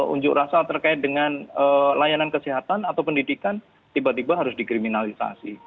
unjuk rasa terkait dengan layanan kesehatan atau pendidikan tiba tiba harus dikriminalisasi